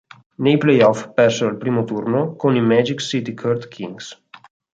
Nei play-off persero al primo turno con i Magic City Court Kings.